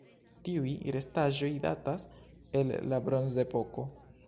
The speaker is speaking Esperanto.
Tiuj restaĵoj datas el la Bronzepoko.